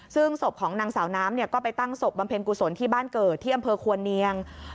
ซึ่งศพของนางสาวน้ำก็ไปตั้งศพบำเพ็ญกุศลที่บ้านเกิดที่อำเภอควรเนียง